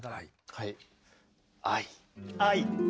はい。